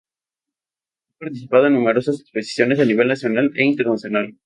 Ha participado en numerosas exposiciones a nivel nacional e internacional.